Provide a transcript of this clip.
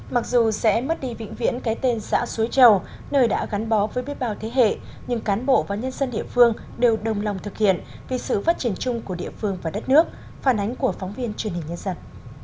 mặc dù sẽ mất đi vĩnh viễn cái tên xã suối chầu nơi đã gắn bó với biết bao thế hệ nhưng cán bộ và nhân dân địa phương đều đồng lòng thực hiện vì sự phát triển chung của địa phương và đất nước phản ánh của phóng viên truyền hình nhân dân